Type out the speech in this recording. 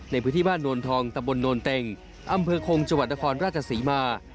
ในพื้นที่บ้านนวลทองตะบลนวลเต็งอำเภอคงจวัดละครราชสีมา